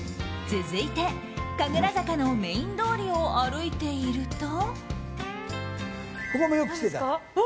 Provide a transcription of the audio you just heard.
続いて、神楽坂のメイン通りを歩いていると。